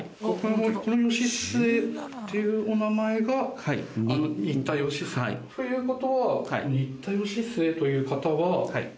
この義季っていうお名前が新田義季。という事は新田義季という方は。